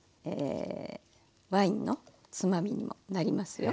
ワインのつまみにもなりますよ。